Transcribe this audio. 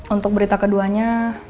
untuk berita keduanya